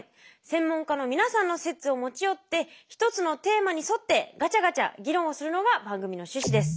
専門家の皆さんの説を持ち寄って一つのテーマに沿ってガチャガチャ議論をするのが番組の趣旨です。